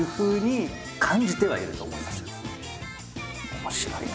面白いな。